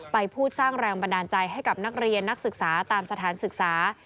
พูดสร้างแรงบันดาลใจให้กับนักเรียนนักศึกษาตามสถานศึกษา